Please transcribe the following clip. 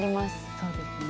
そうですね。